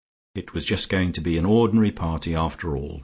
It was just going to be an ordinary party, after all.